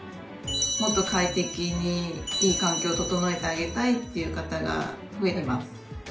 もっと快適にいい環境を整えてあげたいっていう方が増えてます。